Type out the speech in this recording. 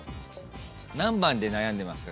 何番で悩んでますか？